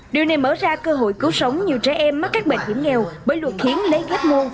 điều này mở ra cơ hội cứu sống nhiều trẻ em mất các bệnh hiểm nghèo bởi luật hiến lấy gấp ngôn